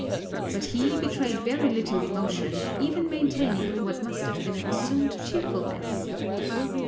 But he betrayed very little emotion, even maintaining what must have been an assumed cheerfulness.